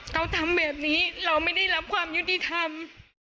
เราทำแบบนี้เราไม่ได้รับความยุติธรรม